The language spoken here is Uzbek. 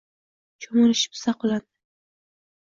Cho‘milishib zavqlandi.